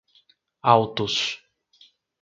Altos